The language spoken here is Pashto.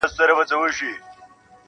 ستا په مخ کي دروغ نه سمه ویلای-